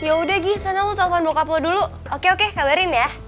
yaudah gi sana lo telfon bokap lo dulu oke oke kabarin ya